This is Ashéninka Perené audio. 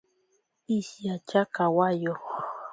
Ishiatya kawayo.